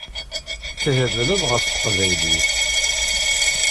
Thebleḍ ɣef teqbaylit.